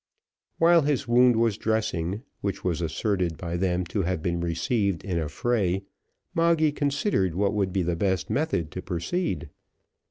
While his wound was dressing, which was asserted by them to have been received in a fray, Moggy considered what would be the best method to proceed.